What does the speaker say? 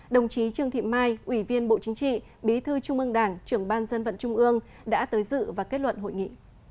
đồng chí trương thị mai ủy viên bộ chính trị bí thư trung ương đảng trưởng ban dân vận trung ương đã tới dự và kết luận hội nghị